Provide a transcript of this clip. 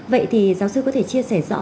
vậy thì giáo sư có thể chia sẻ cho chúng ta